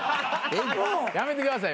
やめてください。